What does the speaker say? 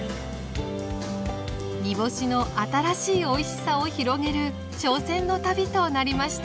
煮干しの新しいおいしさを広げる挑戦の旅となりました。